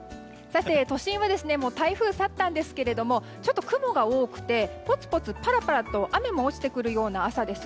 都心は台風が去ったんですがちょっと雲が多くてぽつぽつ、パラパラと雨も落ちてくるような朝です。